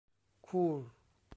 คูล